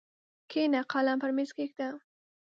کښېنه قلم پر مېز کښېږده!